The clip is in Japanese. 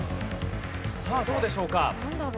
さあどうでしょうか？